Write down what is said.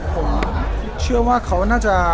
ผมเชื่อว่าเขาน่าจะ